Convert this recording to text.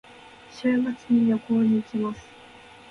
週末に旅行に行きます。